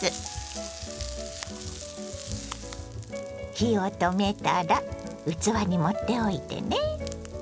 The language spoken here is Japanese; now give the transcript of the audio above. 火を止めたら器に盛っておいてね。